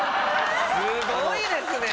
すごいですね。